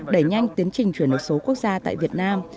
đẩy nhanh tiến trình chuyển đổi số quốc gia tại việt nam